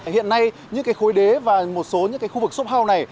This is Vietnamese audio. hiện nay những khối đế và một số những khu vực xốp hào này